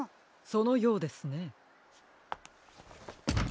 そのようですね。